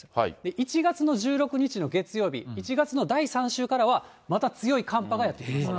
１月の１６日の月曜日、１月の第３週からは、また強い寒波がやって来ます。